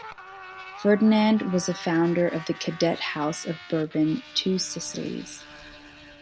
Ferdinand was the founder of the cadet House of Bourbon-Two Sicilies.